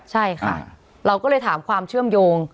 ใช่ค่ะเราก็เลยถามความเชื่อมโยง